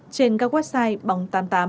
trên các website bóng tám mươi tám